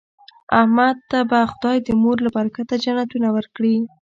احمد ته به خدای د مور له برکته جنتونه ورکړي.